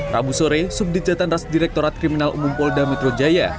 rabu sore subdit jatanras direktorat kriminal umum polda metro jaya